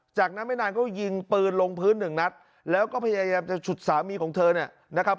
จากนั้นไม่นานก็ยิงปืนลงพื้นหนึ่งนัดแล้วก็พยายามจะฉุดสามีของเธอเนี่ยนะครับ